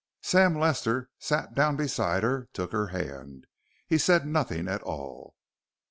Sam Lester sat down beside her, took her hand. He said nothing at all.